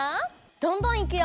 どんどんいくよ！